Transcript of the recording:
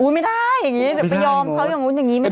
ไม่ได้อย่างนี้เดี๋ยวไปยอมเขาอย่างนู้นอย่างนี้ไม่ได้